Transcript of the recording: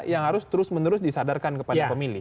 yang harus terus menerus disadarkan kepada pemilih